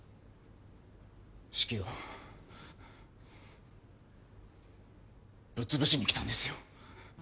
式をぶっ潰しに来たんですよ。